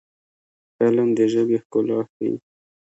فلم د ژبې ښکلا ښيي